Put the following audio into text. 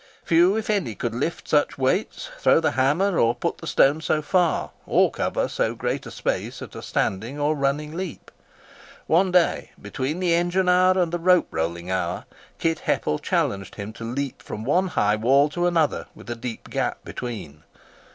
Few, if any, could lift such weights, throw the hammer and putt the stone so far, or cover so great a space at a standing or running leap. One day, between the engine hour and the rope rolling hour, Kit Heppel challenged him to leap from one high wall to another, with a deep gap between.